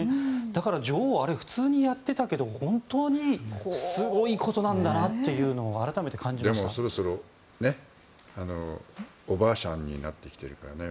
だから女王はあれ普通にやっていたけど本当にすごいことなんだなっていうのをでも、そろそろおばあしゃんになってきてるからね。